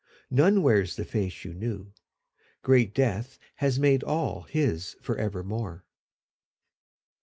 None wears the face you knew. Great death has made all his for evermore.